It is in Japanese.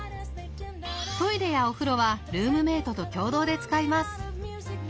トイレやお風呂はルームメートと共同で使います。